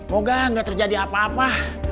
moga gak terjadi apa apa